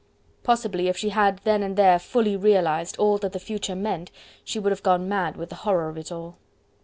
Possibly, if she had then and there fully realized all that the future meant, she would have gone mad with the horror of it all.